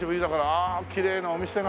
ああきれいなお店が。